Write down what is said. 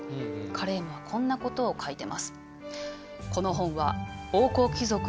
カレームはこんなことを書いてます。